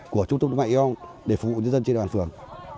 của trung tâm đức mạng yêu ân để phục vụ dân trên bàn phường